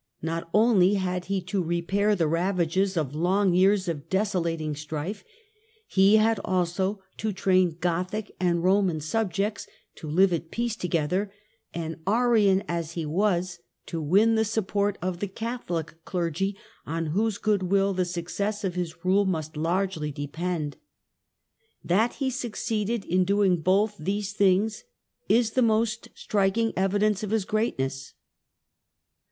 Not only had he to repair the ravages of long years of desolating strife, he had also to train Gothic and Roman subjects to live at peace together, and, Arian as he was, to win the support of the Catholic clergy, on whose goodwill the success of his rule must largely depend. • That he succeeded in doing both these things is the most striking evidence of his greatness.